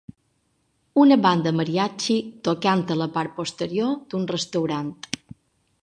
Una banda mariachi tocant a la part posterior d'un restaurant.